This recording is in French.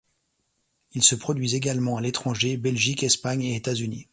Ils se produisent également à l’étranger, Belgique, Espagne et États-Unis.